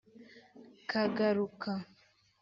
Kagaruka